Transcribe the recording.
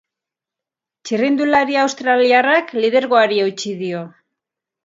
Txirrindulari australiarrak lidergoari eutsi dio.